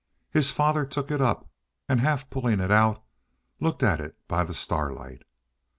His father took it up and, half pulling it out, looked at it by the starlight.